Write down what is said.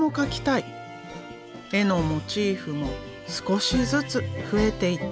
絵のモチーフも少しずつ増えていった。